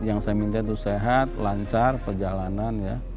yang saya minta itu sehat lancar perjalanan ya